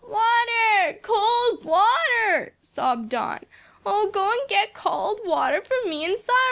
"Water, cold water!" sobbed Don, "oh, go get cold water for me and Cyril."